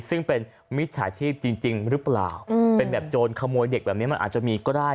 ซึ่งเป็นมิจฉาชีพจริงหรือเปล่าเป็นแบบโจรขโมยเด็กแบบนี้มันอาจจะมีก็ได้